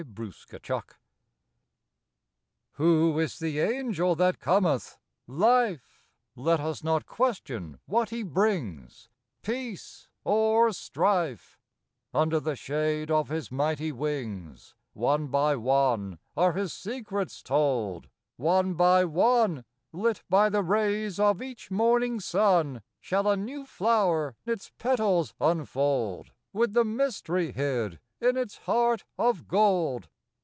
■\^7H0 is the Angel that cometh ? VV Life! Let us not question what he brings, Peace or Strife; Under the shade of his mighty wings, One by one Are his secrets told; One by one, Lit by the rays of eath morning sun, Shall a new flower its petals unfold, With the mystery hid in its heart of gold.